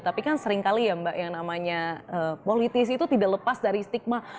tapi kan sering kali ya mbak yang namanya politis itu tidak lepas dari stigma